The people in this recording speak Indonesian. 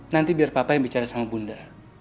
nanti biar papa yang bicara sama bunda